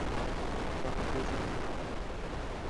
আর আপনি এসব স্টুডেন্টদের ভালো করে চিনেন তারা আমাদের জীবিত ছাড়বে না।